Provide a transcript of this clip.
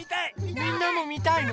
みんなもみたいの？